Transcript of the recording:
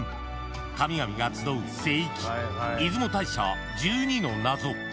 神々が集う聖域、出雲大社１２の謎。